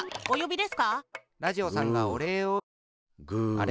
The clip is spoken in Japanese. あれ？